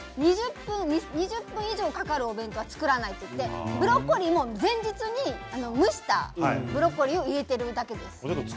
いろいろ調べて２０分以上かかるお弁当は作らないと言ってブロッコリーも前日に蒸したブロッコリーを入れているだけです。